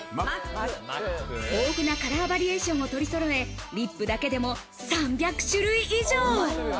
豊富なカラーバリエーションを取りそろえリップだけでも３００種類以上。